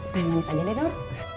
teh manis aja deh dor